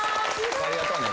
ありがとね。